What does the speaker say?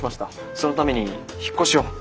そのために引っ越しを。